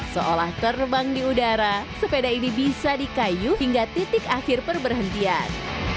seolah terbang di udara sepeda ini bisa dikayu hingga titik akhir perberhentian